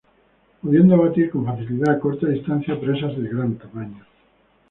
Pudiendo abatir con facilidad a corta distancia presas de gran tamaño.